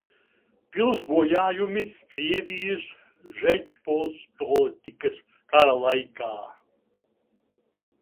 Pils bojājumi Krievijas – Žečpospolitas kara laikā.